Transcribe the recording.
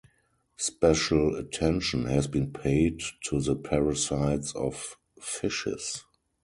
Special attention has been paid to the parasites of fishes.